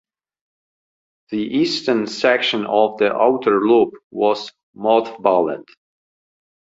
The eastern section of the Outer Loop was mothballed.